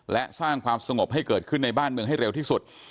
และสร้างความสงบให้เกิดขึ้นในบ้านเมืองให้เร็วที่สุด